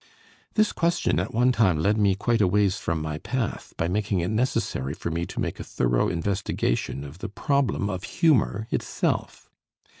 This question at one time led me quite a ways from my path, by making it necessary for me to make a thorough investigation of the problem of humor itself.